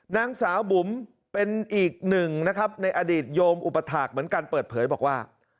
นางสาวบุ๋มเป็นอีกหนึ่งนะครับในอดีตโยมอุปถาคเหมือนกันเปิดเผยบอกว่า